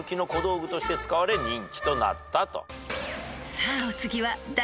［さあお次は］